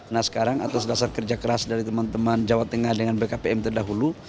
nah sekarang atas dasar kerja keras dari teman teman jawa tengah dengan bkpm terdahulu